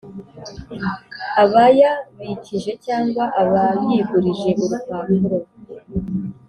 Abayabikije cyangwa abayigurije urupapuro